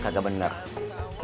sampe bener ya